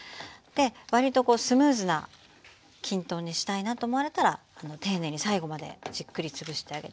わりとスムーズなきんとんにしたいなと思われたら丁寧に最後までじっくり潰してあげて下さい。